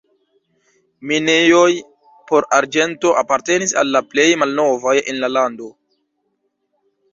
Minejoj por arĝento apartenis al la plej malnovaj en la lando.